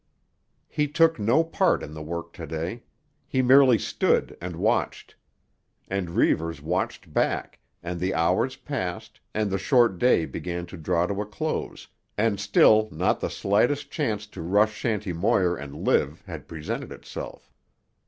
He took no part in the work to day. He merely stood and watched. And Reivers watched back, and the hours passed, and the short day began to draw to a close, and still not the slightest chance to rush Shanty Moir and live had presented itself.